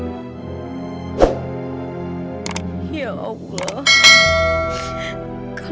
tidak lebih gagal